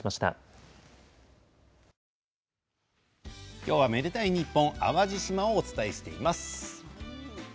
今日は「愛でたいｎｉｐｐｏｎ」淡路島をお伝えしています。